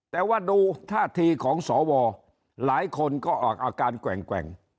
แต่ว่าดูท่าทีของสวหลายคนก็ออกอาการแกว่ง